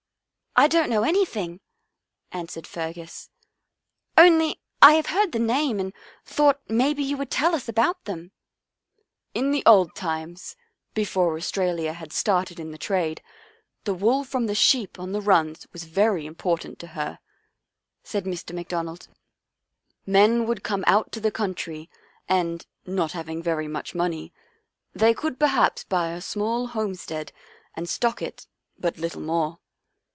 " I don't know anything," answered Fergus. " Only I have heard the name and thought maybe you would tell us about them." " In the old times, before Australia had started in the trade, the wool from the sheep on the runs was very important to her," said Mr. On the Way to the " Run " 35 McDonald. " Men would come out to the country, and, not having very much money, they could perhaps buy a small homestead and stock it, but little more.